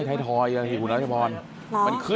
นี่เป็นเพื่อ